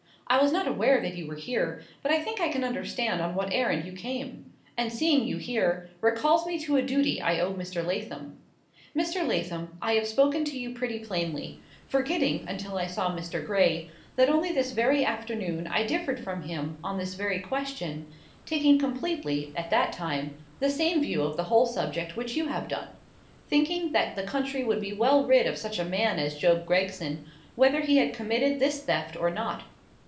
I was not aware that you were here, but I think I can understand on what errand you came. And seeing you here, recalls me to a duty I owe Mr. Lathom. Mr. Lathom, I have spoken to you pretty plainly,—forgetting, until I saw Mr. Gray, that only this very afternoon I differed from him on this very question; taking completely, at that time, the same view of the whole subject which you have done; thinking that the county would be well rid of such a man as Job Gregson, whether he had committed this theft or not.